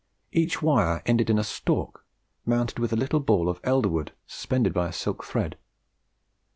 Each wire ended in a stalk mounted with a little ball of elder wood suspended by a silk thread.